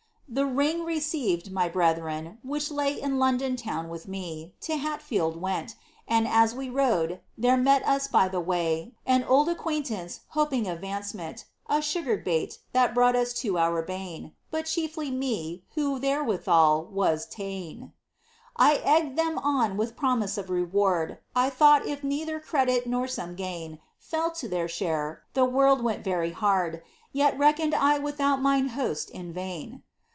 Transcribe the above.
•* Tkg ring received^ my brethren, which lay In London town with me,* to Hatfield went, And as we rode, there met us by the way An old acquaintance hoping avancement, A sugared bait, that brought us to our bane, But chiefly me who therewithal was ta'en. * I egged them on with promise of reward ; I thought if neither credit nor some gnin Fell to their share, the world went very hard Yet reckoned I without mine host in vain.